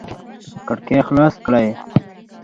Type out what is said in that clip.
کړکۍ خلاص کړئ